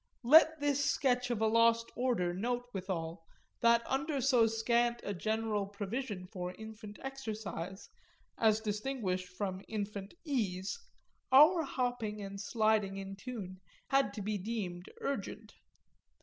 Let this sketch of a lost order note withal that under so scant a general provision for infant exercise, as distinguished from infant ease, our hopping and sliding in tune had to be deemed urgent.